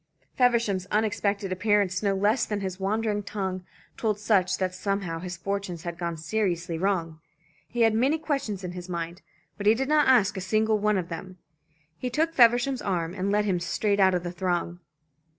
Feversham's unexpected appearance, no less than his wandering tongue, told Sutch that somehow his fortunes had gone seriously wrong. He had many questions in his mind, but he did not ask a single one of them. He took Feversham's arm and led him straight out of the throng.